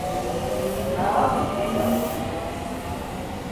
Na how you dey ya own so?